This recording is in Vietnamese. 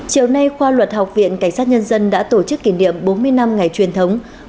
chiều nay khoa luật học viện cảnh sát nhân dân đã tổ chức kỷ niệm bốn mươi năm ngày truyền thống